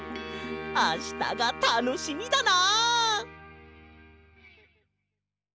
あしたがたのしみだな！